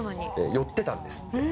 寄ってたんですって。